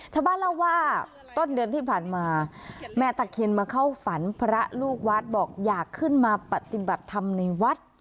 ชาวบ้านเล่าว่าต้นเดือนที่ผ่านมาแม่ตะเคียนมาเข้าฝันพระลูกวัดบอกอยากขึ้นมาปฏิบัติธรรมในวัด